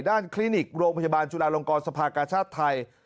คลินิกโรงพยาบาลจุฬาลงกรสภากาชาติไทย